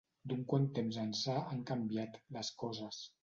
D'un quant temps ençà han canviat, les coses.